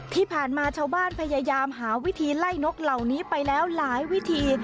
ที่ผ่านมาชาวบ้านพยายามหาวิธีไล่นกเหล่านี้ไปแล้วหลายวิธี